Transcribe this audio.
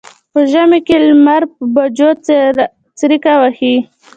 په ژمي کې لمر په بجو څریکه وهي.